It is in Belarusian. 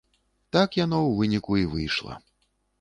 Так яно, у выніку, і выйшла.